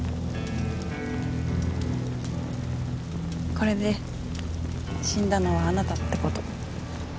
これで死んだのはあなたってこと。